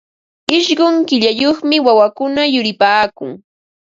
Ishqun killayuqmi wawakuna yuripaakun.